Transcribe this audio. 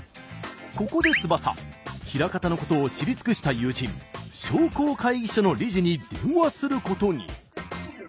ここで翼枚方のことを知り尽くした友人商工会議所の理事に電話することに。